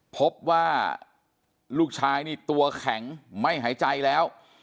พบว่าลูกชายนี่ตัวแข็งไม่หายใจแล้ว